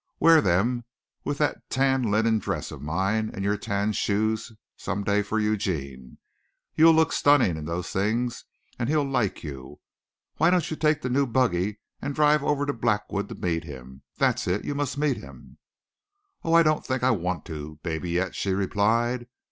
"Wear them with that tan linen dress of mine and your tan shoes some day for Eugene. You'll look stunning in those things and he'll like you. Why don't you take the new buggy and drive over to Blackwood to meet him? That's it. You must meet him." "Oh, I don't think I want to, Babyette," she replied.